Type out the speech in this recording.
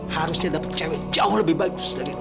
harusnya dapet cewek jauh lebih bagus dari lo